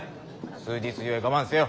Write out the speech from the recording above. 数日ゆえ我慢せよ。